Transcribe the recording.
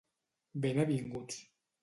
Ben avinguts.